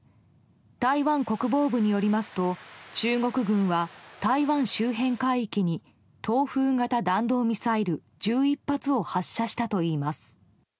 台湾国防部によりますと中国軍は台湾周辺海域に東風型弾道ミサイル１１発を発射したといいます。